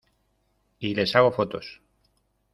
y les hago fotos.